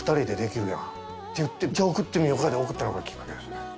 じゃあ送ってみよかで送ったのがきっかけですね。